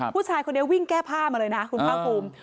ผู้ชายคนเดียววิ่งแก้ผ้ามาเลยนะคุณผ้าคุม